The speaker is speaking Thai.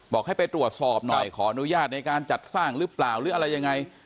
บอกให้ไปตรวจสอบหน่อยขออนุญาตในการจัดสร้างหรือเปล่าหรืออะไรยังไง